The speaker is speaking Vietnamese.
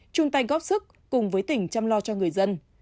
chung tay góp sức cùng với tỉnh chăm lo cho người dân